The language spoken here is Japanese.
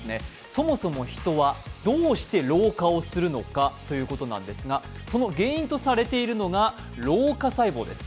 そもそもヒトはどうして老化するのかということなんですがその原因とされているのが老化細胞です。